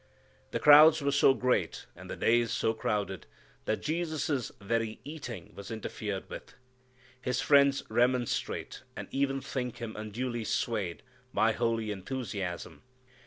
The crowds were so great, and the days so crowded, that Jesus' very eating was interfered with. His friends remonstrate, and even think Him unduly swayed by holy enthusiasm.